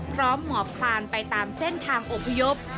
หมอบคลานไปตามเส้นทางอบพยพ